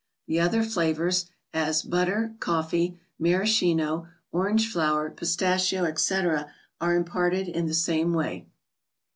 The other flavors, as Butter, Coffee, Maraschino, Orange Flower, Pistachio, etc., are imparted in the same way.